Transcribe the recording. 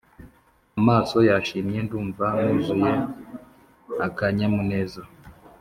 Amaso Yashimye ndumva nuzuye akanyamuneza